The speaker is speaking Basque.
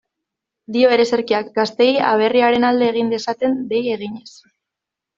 Dio ereserkiak, gazteei aberriaren alde egin dezaten dei eginez.